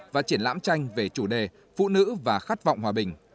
và triển lãm tranh về chủ đề phụ nữ và khát vọng hòa bình